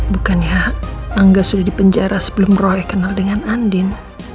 bukannya angga sudah dipenjara sebelum roy kenal dengan andin